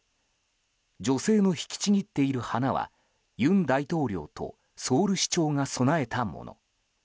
女性の引きちぎっている花は尹大統領とソウル市長が供えたもの。